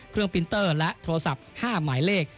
ปินเตอร์และโทรศัพท์๕หมายเลข